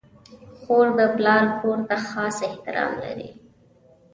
خور د پلار کور ته خاص احترام لري.